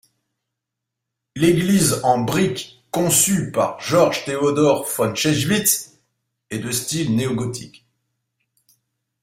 L'église en brique conçue par Georg Theodor von Chiewitz est de style néogothique.